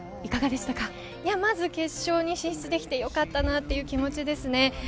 決勝進出できてよかったなという気持ちです。